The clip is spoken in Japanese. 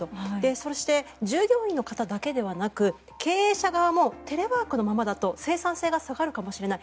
そして、従業員の方だけではなく経営者側もテレワークのままだと生産性が下がるかもしれない。